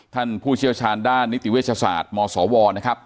ผู้เชี่ยวชาญด้านนิติเวชศาสตร์มศวนะครับ